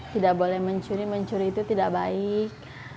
tidak boleh mencuri mencuri itu tidak baik